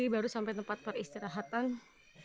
baru sampai tempat peristirahatnya ya mas ya